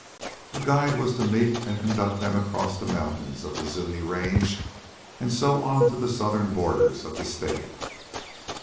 A guide was to meet and conduct them across the mountains of the Zuni range and so on to the southern borders of the state.